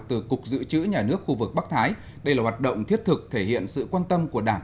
từ cục dự trữ nhà nước khu vực bắc thái đây là hoạt động thiết thực thể hiện sự quan tâm của đảng